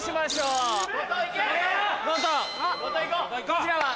こちらは？